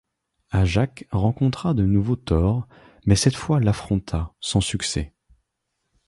Ajak rencontra de nouveau Thor, mais cette fois l'affronta, sans succès.